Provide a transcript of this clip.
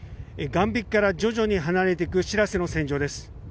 岸壁から徐々に離れていくしらせの船上です。